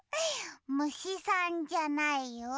むしさんじゃないよ。